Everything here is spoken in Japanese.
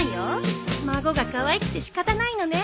孫がかわいくて仕方ないのねえ。